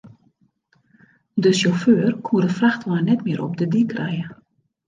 De sjauffeur koe de frachtwein net mear op de dyk krije.